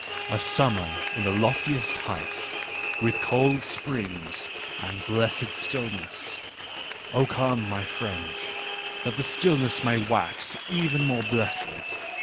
" A summer in the loftiest heights, with cold springs and blessed stillness : oh come, my friends, that the stillness may wax even more blessed